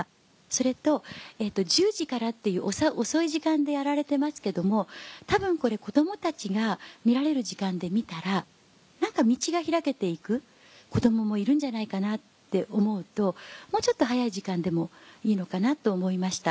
それと１０時からっていう遅い時間でやられてますけども多分これ子供たちが見られる時間で見たら何か道が開けていく子供もいるんじゃないかなって思うともうちょっと早い時間でもいいのかなと思いました。